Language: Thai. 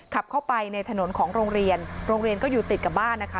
ขับเข้าไปในถนนของโรงเรียนโรงเรียนก็อยู่ติดกับบ้านนะคะ